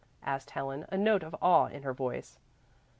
asked Helen, a note of awe in her voice.